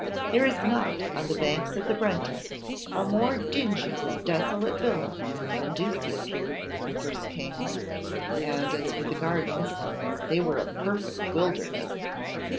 There is not on the banks of the Brenta a more dingy and desolate villa than Ducie appeared when we first came; and as for the gardens, they were a perfect wilderness.